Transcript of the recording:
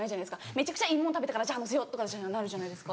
めちゃくちゃいいもん食べてから載せようってなるじゃないですか。